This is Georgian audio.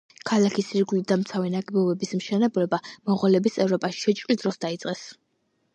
ქალაქის ირგვლივ დამცავი ნაგებობების მშენებლობა მონღოლების ევროპაში შეჭრის დროს დაიწყეს.